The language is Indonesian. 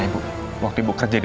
ibu apa ada